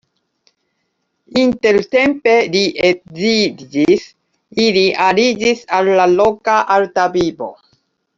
Intertempe li edziĝis, ili aliĝis al la loka arta vivo.